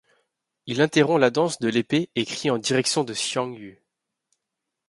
Il interrompt la danse de l’épée et crie en direction de Xiang Yu.